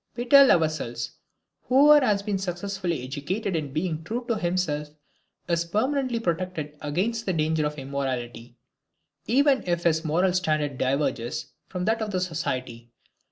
We tell ourselves: whoever has been successfully educated in being true to himself is permanently protected against the danger of immorality, even if his moral standard diverges from that of society.